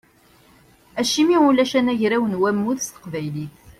Acimi ulac anagraw n wammud s teqbaylit?